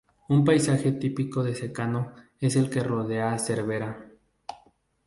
Un paisaje típico de secano es el que rodea a Cervera.